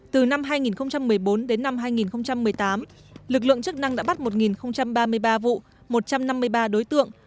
từ năm hai nghìn một mươi bốn đến năm hai nghìn một mươi tám lực lượng chức năng đã bắt một ba mươi ba vụ một trăm năm mươi ba đối tượng